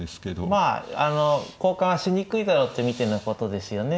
まああの交換はしにくいだろうって見てのことですよね。